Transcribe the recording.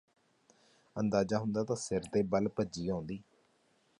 ਅੰਦਾਜ਼ਾ ਹੁੰਦਾ ਤਾਂ ਸਿਰ ਦੇ ਬਲ ਭੱਜੀ ਆਉਂਦੀ